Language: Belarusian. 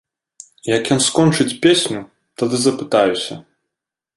Як ён скончыць песню, тады запытаюся.